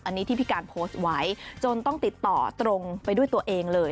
อันนี้ที่พี่การโพสต์ไว้จนต้องติดต่อตรงไปด้วยตัวเองเลย